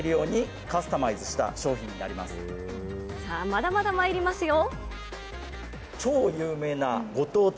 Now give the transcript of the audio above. まだまだまいりますよ。